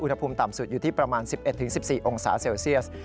อุณหภูมิต่ำสุดอยู่ที่ประมาณ๑๑๑๔องศาเซลเซียส